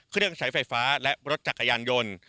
เครื่องใช้ไฟฟ้าและรถจักรยานยนต์